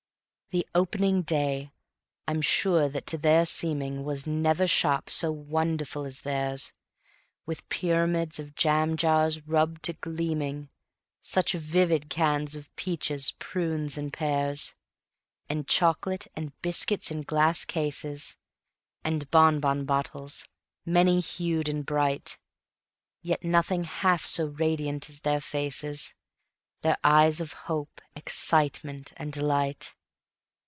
The opening day! I'm sure that to their seeming Was never shop so wonderful as theirs; With pyramids of jam jars rubbed to gleaming; Such vivid cans of peaches, prunes and pears; And chocolate, and biscuits in glass cases, And bon bon bottles, many hued and bright; Yet nothing half so radiant as their faces, Their eyes of hope, excitement and delight.